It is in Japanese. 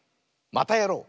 「またやろう！」。